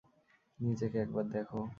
নিজেকে একবার দেখ।